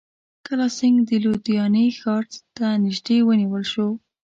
کالاسینګهـ د لودیانې ښار ته نیژدې ونیول شو.